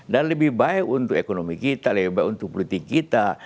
dan lebih baik untuk ekonomi kita lebih baik untuk politik kita